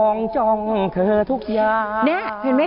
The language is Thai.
นี่เห็นไหมคะเหมือนไหม